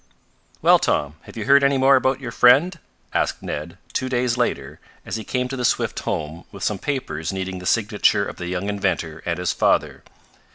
"Well, Tom, have you heard any more about your friend?" asked Ned, two days later, as he came to the Swift home with some papers needing the signature of the young inventor and his father.